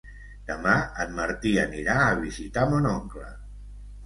Demà en Martí anirà a visitar mon oncle.